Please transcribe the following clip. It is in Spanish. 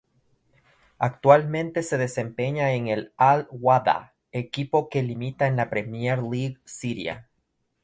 Actualmente se desempeña en el Al-Wahda, equipo que limita en la Premier League Siria.